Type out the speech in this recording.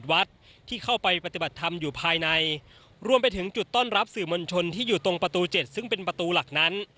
หากมันชนที่อยู่ตรงประตู๗ซึ่งเป็นประตูหลักนั้น